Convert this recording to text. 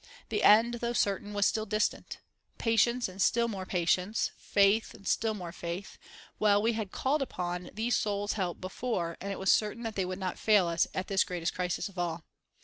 The end, though certain, was still distant. Patience, and still more patience, faith and still more faith, well, we had called upon these souls' help before and it was certain that they would not fail us at this greatest crisis of all.